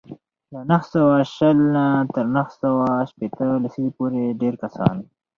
له نهه سوه شل تر نهه سوه شپېته لسیزې پورې ډېری کسان